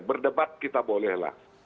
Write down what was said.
berdebat kita bolehlah